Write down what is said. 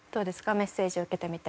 メッセージを受けてみて。